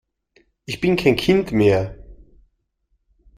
Ich bin kein Kind mehr!